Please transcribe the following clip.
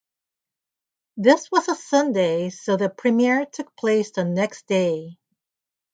This was a Sunday, so the premiere took place the next day.